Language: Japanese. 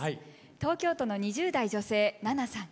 東京都の２０代・女性ななさん。